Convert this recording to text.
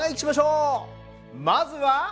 まずは。